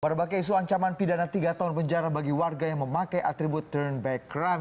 berbagai isu ancaman pidana tiga tahun penjara bagi warga yang memakai atribut turn back crime